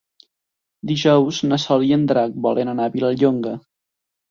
Dijous na Sol i en Drac volen anar a Vilallonga.